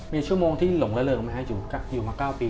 มีชั่วโมงที่หลงละเริงไหมฮะอยู่มา๙ปี